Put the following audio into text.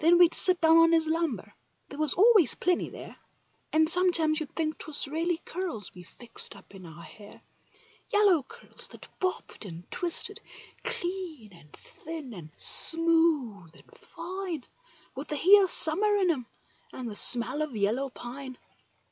we'd sit down on his lumber—there was always plenty there, And sometimes you'd think 'twas really curls we fixed up in our hair— Yellow curls that bobbed and twisted, clean and thin and smooth and fine, th the heat of summer in 'em and the smell of yellow pine.